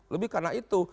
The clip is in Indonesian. lebih karena itu